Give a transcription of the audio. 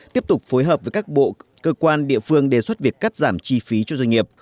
tiếp tục phối hợp với các bộ cơ quan địa phương đề xuất việc cắt giảm chi phí cho doanh nghiệp